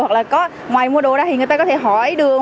hoặc là ngoài mua đồ ra thì người ta có thể hỏi đường